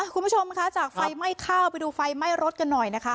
คุณผู้ชมคะจากไฟไหม้ข้าวไปดูไฟไหม้รถกันหน่อยนะคะ